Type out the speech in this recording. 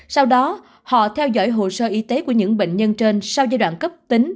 sau đó họ theo dõi hồ sơ y tế của những bệnh nhân trên sau giai đoạn cấp tính